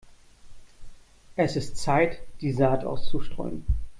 Es ist Zeit, die Saat auszustreuen.